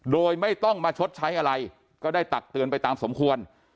โดยไม่ต้องมาชดใช้อะไรก็ได้ตักเตือนไปตามสมควร